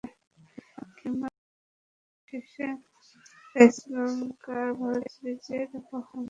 কিংবদন্তির শেষের শুরু, তাই শ্রীলঙ্কা-ভারত সিরিজের আবহসংগীত হিসেবেও বাজতে শুরু করেছে সাঙ্গাকারার বিদায়রাগিণী।